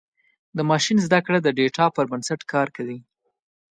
د ماشین زدهکړه د ډیټا پر بنسټ کار کوي.